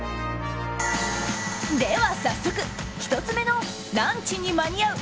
では早速１つ目のランチに間に合う！